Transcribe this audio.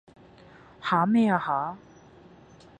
吓咩啊吓？